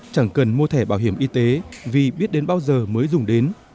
chẳng cần mua thẻ bảo hiểm y tế vì biết đến bao giờ mới dùng đến